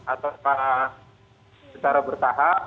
ataukah secara bertahap